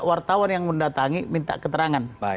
wartawan yang mendatangi minta keterangan